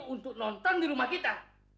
untuk nonton di rumah kita